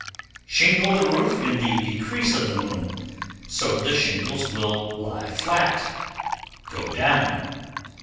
_ 1125. Shingle the roof in the decrease of the moon, so the shingles will lie flat ("go down").